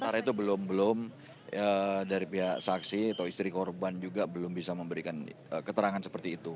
karena itu belum belum dari pihak saksi atau istri korban juga belum bisa memberikan keterangan seperti itu